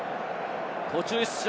途中出場。